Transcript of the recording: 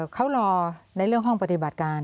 เขารอในเรื่องห้องปฏิบัติการ